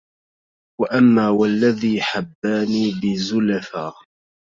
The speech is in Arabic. وأما والذي حباني بزُلفا